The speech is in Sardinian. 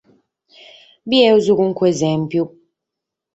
Bidimus carchi esèmpiu.